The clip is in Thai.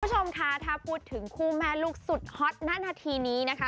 คุณผู้ชมค่ะถ้าพูดถึงคู่แม่ลูกสุดฮอตณนาทีนี้นะคะ